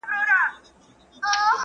دین لرو.